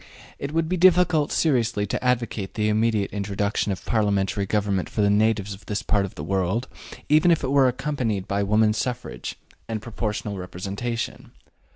It would be difficult seriously to advocate the immediate introduction of parliamentary government for the natives of this part of the world, even if it were accompanied by women's suffrage and proportional representation.